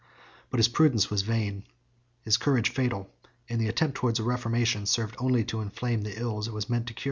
But his prudence was vain, his courage fatal, and the attempt towards a reformation served only to inflame the ills it was meant to cure.